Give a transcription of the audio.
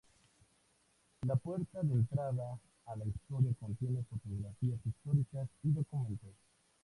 La puerta de entrada a la historia contiene fotografías históricas y documentales.